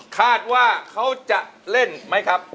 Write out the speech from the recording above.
คาดว่าเขาจะเล่นไหมครับ